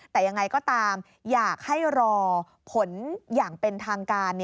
แต่ยังไงก็ตามอยากให้รอผลอย่างเป็นทางการ